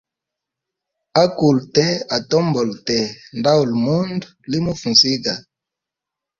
Akulu tee, atombola tee, ndauli mundu limufaa nziga.